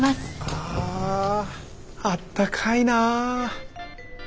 ああったかいな。